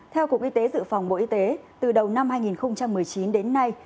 theo cục y tế dự phòng bộ y tế từ đầu năm hai nghìn một mươi chín đến nay